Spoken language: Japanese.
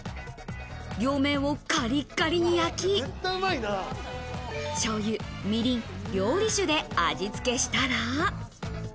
両面をカリッカリに焼き、醤油、みりん、料理酒で味つけしたら。